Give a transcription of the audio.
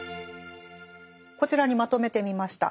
こちらにまとめてみました。